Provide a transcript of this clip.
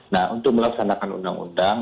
nah untuk melaksanakan undang undang